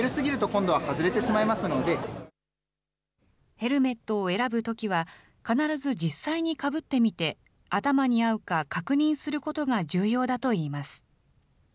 ヘルメットを選ぶときは、必ず実際にかぶってみて、頭に合うか確認することが重要だといいます。